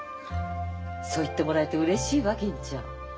そう言ってもらえてうれしいわ銀ちゃん。